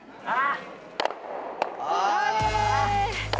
あ！